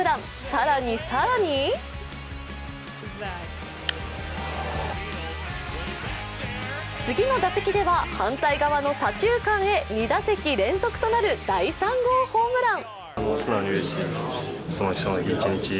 更に更に次の打席では反対側の左中間へ２打席連続となる第３号ホームラン。